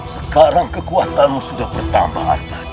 sekarang kekuatanmu sudah bertambah